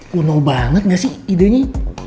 kuno banget gak sih idenya